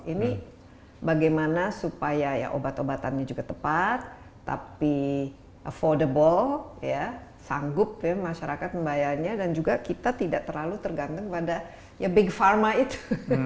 ini bagaimana supaya obat obatannya juga tepat tapi affordable sanggup masyarakat membayarnya dan juga kita tidak terlalu tergantung pada big pharma itu